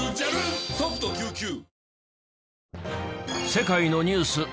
世界のニュース